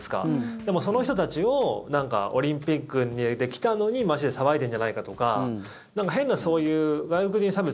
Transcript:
でも、その人たちをオリンピックで来たのに街で騒いでんじゃないかとか変な、そういう外国人差別